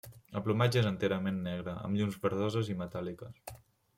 El plomatge és enterament negre, amb llums verdoses metàl·liques.